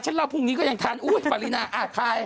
ฉันเล่าพวกนี้ก็ยังทันปรินาอ้าใคร